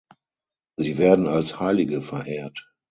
Sie werden als Heilige verehrt.